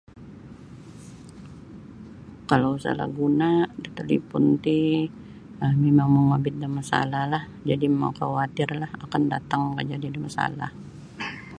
Kalau salah guna da talipon ti um mimang mongobit da masalahlah jadi makawatirlah akan datang makajadi da masalah.